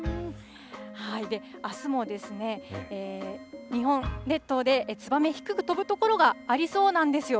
あすも、日本列島でツバメ、低く飛ぶ所がありそうなんですよ。